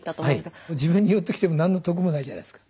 自分に寄ってきても何の得もないじゃないですか。